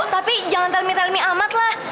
tapi jangan tell me tell me amat lah